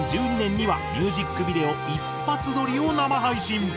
２０１２年にはミュージックビデオ一発撮りを生配信。